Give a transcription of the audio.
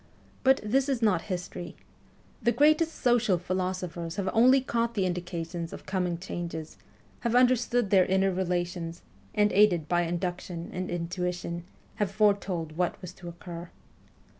But this is not history. The greatest social philo sophers have only caught the indications of coming changes, have understood their inner relations, and, aided by induction and intuition, have foretold what was to occur.